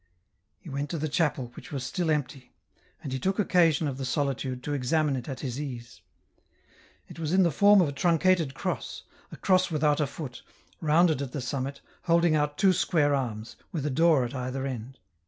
He went to the chapel, which was still empty ; and he took occasion of the solitude to examine it at his ease. It was in the form of a truncated cross, a cross without a foot, rounded at the summit, holding out two square arms, with a door at either end.